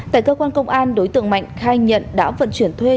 tại cơ quan công an đối tượng mạnh khai nhận đã vận chuyển thuê